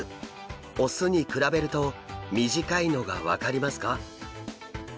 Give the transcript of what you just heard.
雄に比べると短いのが分かりますか？